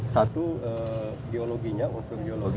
satu diologinya unsur biologi